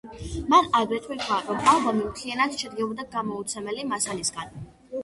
მან აგრეთვე თქვა, რომ ალბომი მთლიანად შედგებოდა გამოუცემელი მასალისგან.